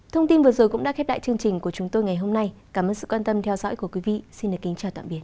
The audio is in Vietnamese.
thông tin vừa rồi cũng đã khép lại chương trình của chúng tôi ngày hôm nay cảm ơn sự quan tâm theo dõi của quý vị xin được kính chào tạm biệt